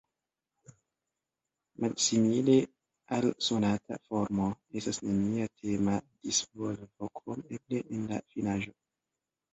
Malsimile al sonata formo, estas nenia tema disvolvo krom eble en la finaĵo.